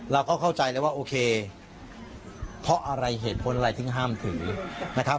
เราก็เข้าใจแล้วว่าโอเคเพราะอะไรเหตุผลอะไรถึงห้ามถือนะครับ